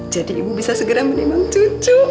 jadi ibu bisa segera menemang cucu